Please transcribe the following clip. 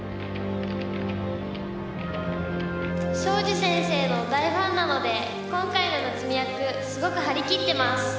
庄司先生の大ファンなので今回の夏美役すごく張り切ってます！